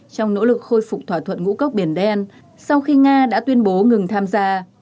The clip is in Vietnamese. trong nỗ lực khôi phục thỏa thuận ngũ cốc biển đen sau khi nga đã tuyên bố ngừng tham gia